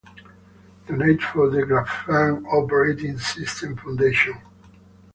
Donate for the Graphene Operating System Foundation.